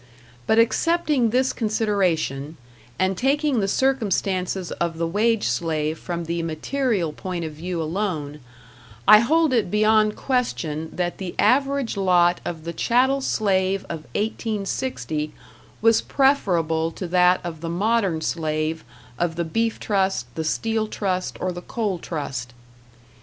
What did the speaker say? But excepting this consideration, and taking the circumstances of the wage slave from the material point of view alone, I hold it beyond question that the average lot of the chattel slave of 1860 was preferable to that of the modern slave of the Beef Trust, the Steel Trust, or the Coal Trust.